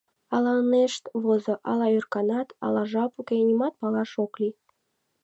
Ала ынешт возо, ала ӧрканат, ала жап уке — нимат палаш ок лий...